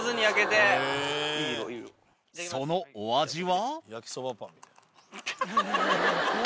そのお味は？